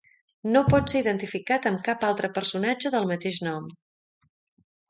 No pot ser identificat amb cap altre personatge del mateix nom.